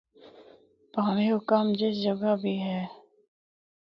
پاویں او کم جس جوگا بھی اے۔